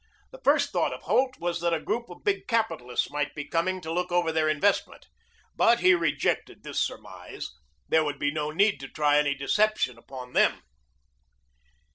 The first thought of Holt was that a group of big capitalists might be coming to look over their investment. But he rejected this surmise. There would be no need to try any deception upon them.